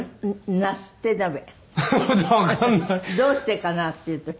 「どうしてるかな」って言う時。